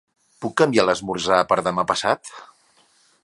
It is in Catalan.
Puc canviar l'esmorzar per demà passat?